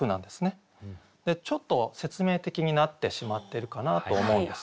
ちょっと説明的になってしまってるかなと思うんです。